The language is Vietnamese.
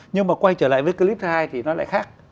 nhưng mà quay trở lại với clip hai thì nó lại khác